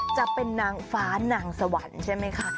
จะเป็นนางฟ้านางสวรรค์ใช่ไหมคะ